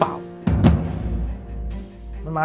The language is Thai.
สวัสดีครับ